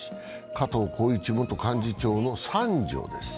加藤紘一元幹事長の三女です。